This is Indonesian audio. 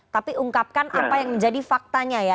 tapi ungkapkan apa yang menjadi faktanya ya